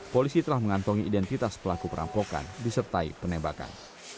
polisi telah mengantongi identitas pelaku perampokan disertai penembakan